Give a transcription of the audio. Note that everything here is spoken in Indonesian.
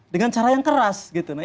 dengan cara yang keras